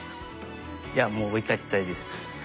いやもう追いかけたいです。